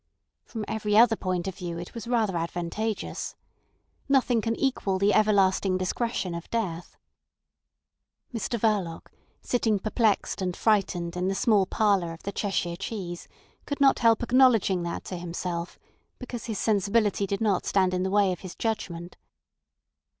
From every other point of view it was rather advantageous. Nothing can equal the everlasting discretion of death. Mr Verloc, sitting perplexed and frightened in the small parlour of the Cheshire Cheese, could not help acknowledging that to himself, because his sensibility did not stand in the way of his judgment.